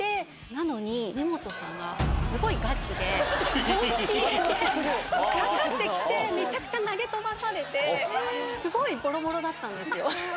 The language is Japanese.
なのに根本さんがすごいガチで、本気でかかってきて、めちゃくちゃ投げ飛ばされて、すごいぼろぼろだったんですよ。